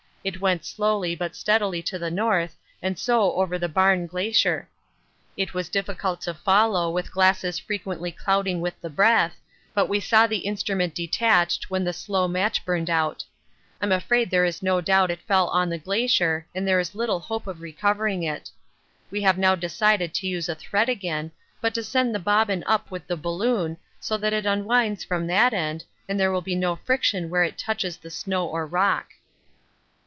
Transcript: It went slowly but steadily to the north and so over the Barne Glacier. It was difficult to follow with glasses frequently clouding with the breath, but we saw the instrument detached when the slow match burned out. I'm afraid there is no doubt it fell on the glacier and there is little hope of recovering it. We have now decided to use a thread again, but to send the bobbin up with the balloon, so that it unwinds from that end and there will be no friction where it touches the snow or rock.